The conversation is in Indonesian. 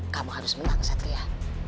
kamu harus menang satria